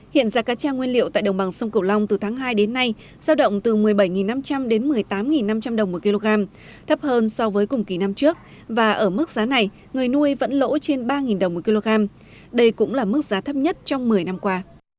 hiện giá cá cha nguyên liệu tại đồng bằng sông cửu long từ tháng hai đến nay giao động từ một mươi bảy năm trăm linh đến một mươi tám năm trăm linh đồng một kg thấp hơn so với cùng kỳ năm trước và ở mức giá này người nuôi vẫn lỗ trên ba đồng một kg đây cũng là mức giá thấp nhất trong một mươi năm qua